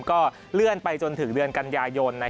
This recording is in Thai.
ก็เลื่อนไปจนถึงเดือนกันยายน